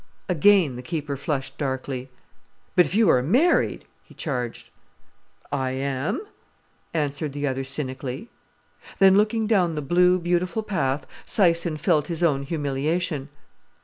Again the keeper flushed darkly. "But if you are married——" he charged. "I am," answered the other cynically. Then, looking down the blue, beautiful path, Syson felt his own humiliation.